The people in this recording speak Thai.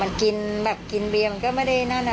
มันกินแบบกินเบียร์มันก็ไม่ได้นั่น